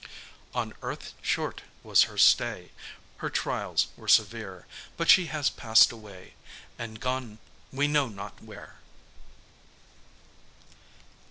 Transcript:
On earth short was her stay, Her trials were severe; But she has passed away, And gone we know not where.